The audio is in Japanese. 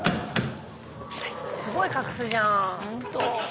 すごい隠すじゃん！